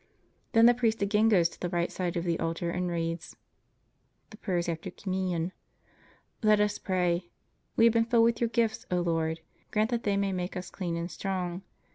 Then the priest again goes to the right side of the altar and reads: THE PRAYERS AFTER COMMUNION *Let us pray: We have been filled with Your gifts, O Lord. Grant that they may make us clean and strong.